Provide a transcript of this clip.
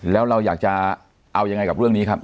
แล้วเราอยากจะเอายังไงกับเรื่องนี้ครับ